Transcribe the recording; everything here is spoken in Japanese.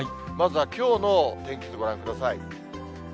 まずはきょうの天気図ご覧ください。